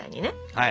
はい。